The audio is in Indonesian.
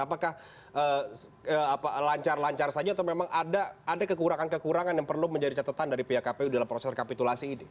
apakah lancar lancar saja atau memang ada kekurangan kekurangan yang perlu menjadi catatan dari pihak kpu dalam proses rekapitulasi ini